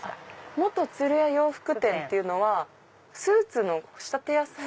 「元鶴谷洋服店」っていうのはスーツの仕立て屋さん？